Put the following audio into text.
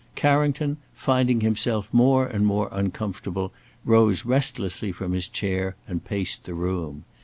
Carrington, finding himself more and more uncomfortable, rose restlessly from his chair and paced the room.